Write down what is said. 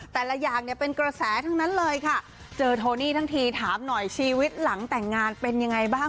แต่ละอย่างเนี่ยเป็นกระแสทั้งนั้นเลยค่ะเจอโทนี่ทั้งทีถามหน่อยชีวิตหลังแต่งงานเป็นยังไงบ้าง